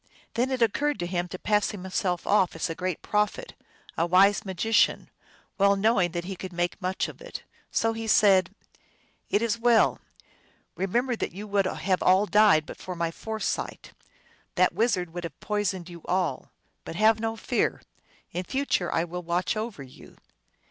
Then it occurred to him to pass himself off for a great prophet, a wise magician, well knowing that he could make much of it. So he said, " It is well. Remember that you would have all died but for my foresight. That wizard would have poisoned you all. But have no fear. In future I will watch over you."